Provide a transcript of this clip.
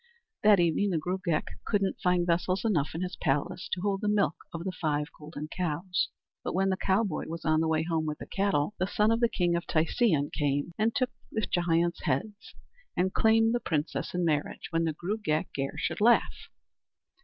That evening the Gruagach couldn't find vessels enough in his palace to hold the milk of the five golden cows. But when the cowboy was on the way home with the cattle, the son of the king of Tisean came and took the giant's heads and claimed the princess in marriage when the Gruagach Gaire should laugh.